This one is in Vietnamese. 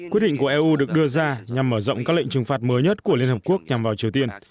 quyết định của eu được đưa ra nhằm mở rộng các lệnh trừng phạt mới nhất của liên hợp quốc nhằm vào triều tiên